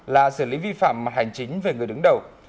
là xử lý vi phạm hành chính về người đứng đầu